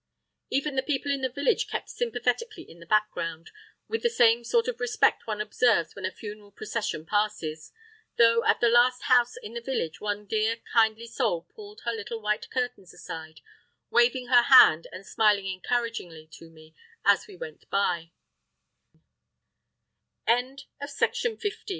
Even the people in the village kept sympathetically in the background, with the same sort of respect one observes when a funeral procession passes; though at the last house in the village one dear kindly soul pulled her little white curtains aside, waving her hand and smiling encouragingly to me as we went b